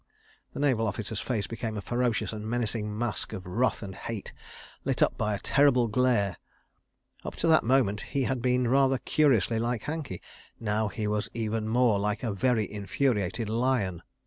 The naval officer's face became a ferocious and menacing mask of wrath and hate, lit up by a terrible glare. Up to that moment he had been rather curiously like Hankey. Now he was even more like a very infuriated lion.